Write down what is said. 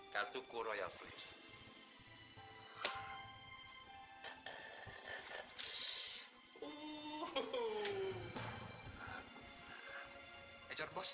kartu ku royal fringe